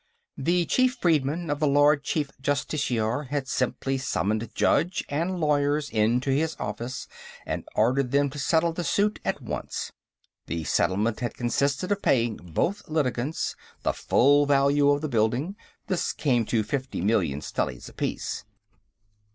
The chief freedman of the Lord Chief Justiciar had simply summoned judge and lawyers into his office and ordered them to settle the suit at once. The settlement had consisted of paying both litigants the full value of the building; this came to fifty million stellies apiece.